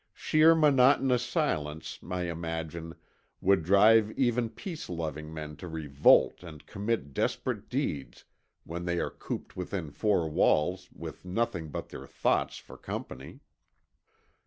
Sheer monotonous silence, I imagine, would drive even peace loving men to revolt and commit desperate deeds when they are cooped within four walls with nothing but their thoughts for company.